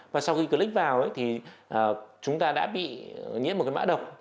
và sau khi click vào thì chúng ta đã bị nhiễm một cái mã độc